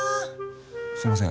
すいません